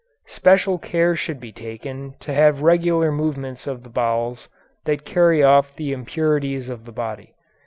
Special care should be taken to have regular movements of the bowels that carry off the impurities of the body.